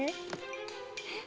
えっ？